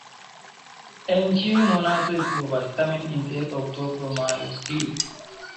En ĉiuj monatoj pluvas, tamen inter oktobro-majo pli.